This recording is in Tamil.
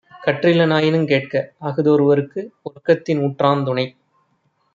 கற்றிலனாயினுங் கேட்க அஃதொருவற்கு ஒற்கத்தின் ஊற்றாந்துணை